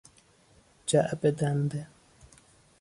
جعبه دنده